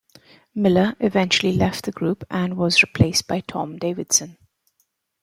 Miller eventually left the group and was replaced by Tom Davidson.